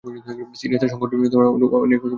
সিরিয়াতে সংগঠনের অনেক অনুগামী ছিল।